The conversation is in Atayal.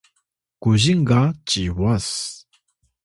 kuzing ga Ciwas